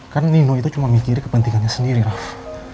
karena nino itu cuma mikir kepentingannya sendiri raff